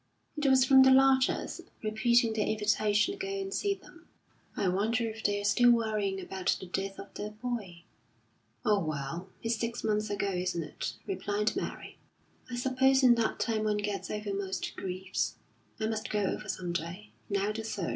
It was from the Larchers, repeating their invitation to go and see them. "I wonder if they're still worrying about the death of their boy?" "Oh, well, it's six months ago, isn't it?" replied Mary. "I suppose in that time one gets over most griefs. I must go over some day. Now the third."